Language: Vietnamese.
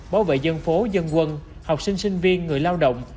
bảo vệ dân phố dân quân học sinh sinh viên người lao động